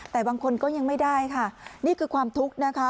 แต่บางคนก็ยังไม่ได้ค่ะนี่คือความทุกข์นะคะ